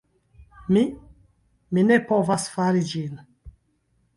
Mi... mi ne povas fari ĝin.